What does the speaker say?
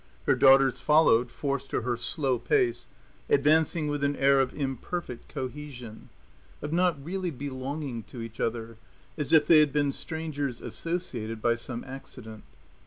Her daughters followed, forced to her slow pace, advancing with an air of imperfect cohesion, of not really belonging to each other, as if they had been strangers associated by some accident.